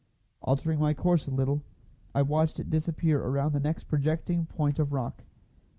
Altering my course a little, I watched it disappear around the next projecting point of rock.